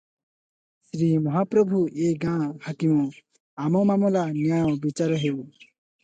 ଶ୍ରୀମହାପ୍ରଭୁ ଏ ଗାଁ ହାକିମ, ଆମ ମାମଲା ନ୍ୟାୟ ବିଚାର ହେଉ ।